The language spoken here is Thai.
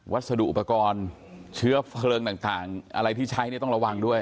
สดุอุปกรณ์เชื้อเพลิงต่างอะไรที่ใช้เนี่ยต้องระวังด้วย